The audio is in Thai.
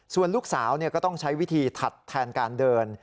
ส่วนลูกสาวก็ต้องใช้วิธีถัดแทนการเดิน